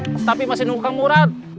pasti masih nungukan murad